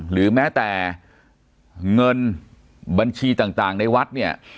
หรือแม้แต่เงินบัญชีต่างในวัดเนี่ย